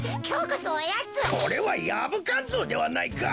これはヤブカンゾウではないか！